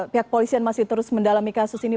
pihak polisi yang masih terus mendalami kasus ini